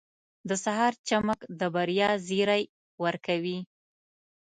• د سهار چمک د بریا زیری ورکوي.